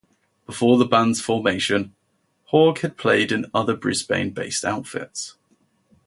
Before the band's formation, Haug had played in other Brisbane-based outfits.